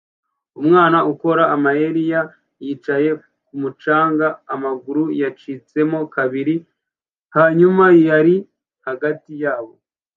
Umwana ukora amayeri ya yicaye kumu canga amaguru yacitsemo kabiri hanyuma yurira hagati yabo